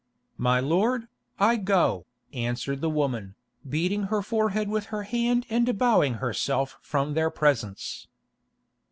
"My lord, I go," answered the woman, beating her forehead with her hand and bowing herself from their presence.